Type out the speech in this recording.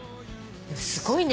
すごいね。